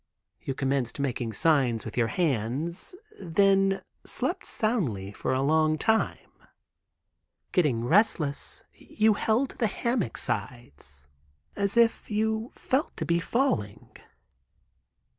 You commenced making signs with your hands. Then slept soundly for a long time. "Getting restless you held to the hammock sides, as if you felt to be falling.